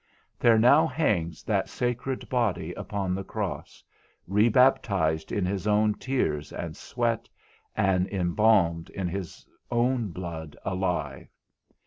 There now hangs that sacred body upon the cross, rebaptized in his own tears, and sweat, and embalmed in his own blood alive.